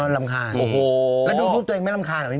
รำคาญโอ้โหแล้วดูรูปตัวเองไม่รำคาญเหรอพี่